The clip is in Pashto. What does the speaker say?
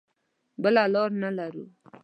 بله لاره نه لرو.